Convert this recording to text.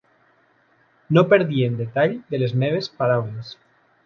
No perdien detall de les meves paraules.